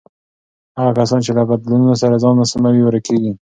هغه کسان چې له بدلونونو سره ځان نه سموي، ورکېږي.